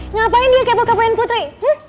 ngapain yuk kepo kepoin putri